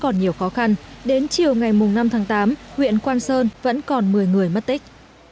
còn nhiều khó khăn đến chiều ngày năm tháng tám huyện quang sơn vẫn còn một mươi người mất tích